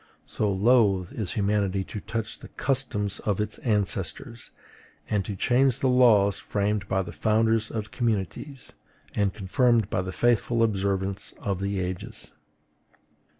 So loath is humanity to touch the customs of its ancestors, and to change the laws framed by the founders of communities, and confirmed by the faithful observance of the ages.